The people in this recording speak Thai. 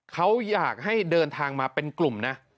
เขาอยากให้เดินทางมาเป็นกลุ่มนะ